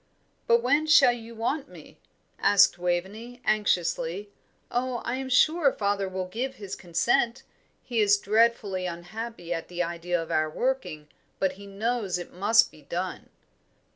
"But when shall you want me," asked Waveney, anxiously. "Oh, I am sure father will give his consent. He is dreadfully unhappy at the idea of our working, but he knows it must be done."